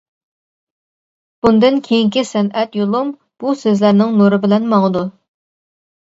بۇندىن كېيىنكى سەنئەت يولۇم بۇ سۆزلەرنىڭ نۇرى بىلەن ماڭىدۇ.